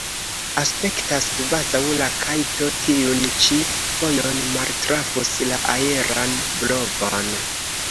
Aspektas, kvazaŭ la kajto tiun ĉi fojon maltrafus la aeran blovon.